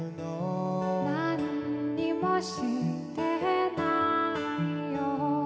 「何にもしてないよ」